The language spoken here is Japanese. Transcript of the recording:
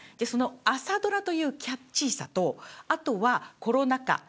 その朝ドラというキャッチーさとあとは、コロナ禍